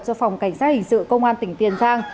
do phòng cảnh sát hình sự công an tỉnh tiền giang